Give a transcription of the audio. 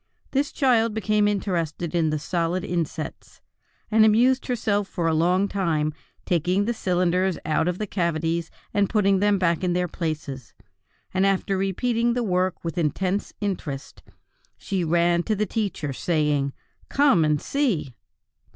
This child became interested in the solid insets, and amused herself for a long time taking the cylinders out of the cavities and putting them back in their places; and after repeating the work with intense interest, she ran to the teacher, saying: "Come and see!"